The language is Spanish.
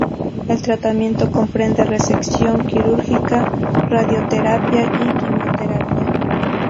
El tratamiento comprende resección quirúrgica, radioterapia y quimioterapia.